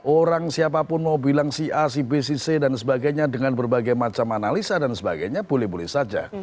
orang siapapun mau bilang si a si b si c dan sebagainya dengan berbagai macam analisa dan sebagainya boleh boleh saja